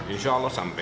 insya allah sampai